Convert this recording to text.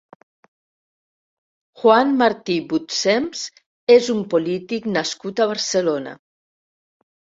Juan Marti Butsems és un polític nascut a Barcelona.